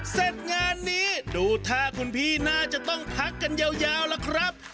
เสร็จงานนี้ดูท่าคุณพี่น่าจะต้องพักกันยาวล่ะครับ